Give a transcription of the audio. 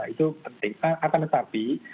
itu penting akan tetapi